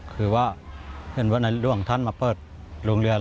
คือว่าเห็นว่าในหลวงท่านมาเปิดโรงเรือน